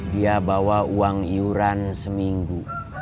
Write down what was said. dia bawa uang iuran seminggu